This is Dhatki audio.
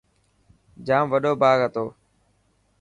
ڄام وڏو باغ هتو.